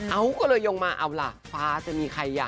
เอาก็เลยยงมาเอาล่ะฟ้าจะมีใครอ่ะ